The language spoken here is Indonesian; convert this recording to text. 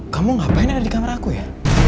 kamu ngapain ada di kamar aku ya